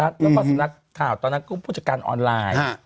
แล้วก็สุนัขข่าวตอนนั้นก็ผู้จัดการออนไลน์